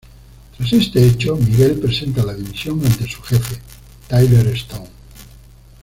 Tras este hecho, Miguel presenta la dimisión ante su jefe, Tyler Stone.